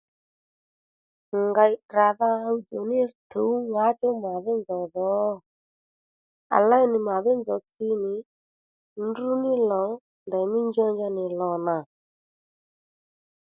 Ngèy tdràdha ɦuwdjò ní tǔw ŋǎchú màdhí nzòw dhò? À léy nì màdhí nzòw tsinì ndrǔní lò ndèymí njanja nì lò nà